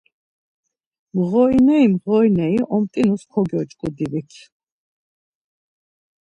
Mğorineri mğorineri omt̆inus kogyoç̌ǩu divik.